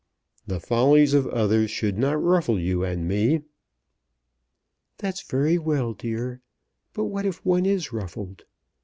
"The follies of others should not ruffle you and me." "That's very well, dear; but what if one is ruffled?